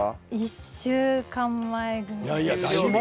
１週間前よ。